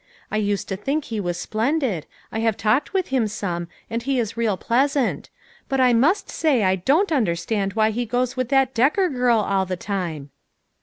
I used to think he was splendid ; I have talked with him some, and he is real pleasant; but I must say I don't understand why he goes with that Decker girl all the time."